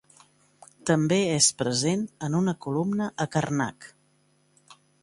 També és present en una columna a Karnak.